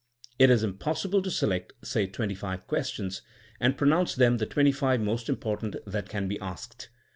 It is impossible to select, say twenty five questions, and pronounce them the twenty five most important that can be asked.